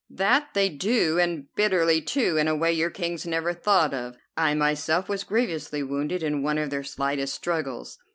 "That they do, and bitterly, too, in a way your kings never thought of. I myself was grievously wounded in one of their slightest struggles.